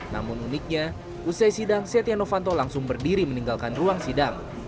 namun uniknya usai sidang setia novanto langsung berdiri meninggalkan ruang sidang